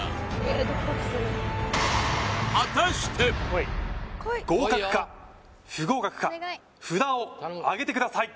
見事合格か不合格か札をあげてください